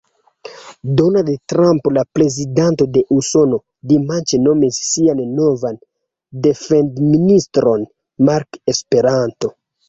Donald Trump, la prezidento de Usono, dimanĉe nomis sian novan defendministron Mark Esperanto.